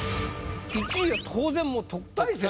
１位は当然もう特待生。